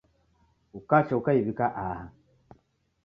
Ukacha ukaiw'ika aha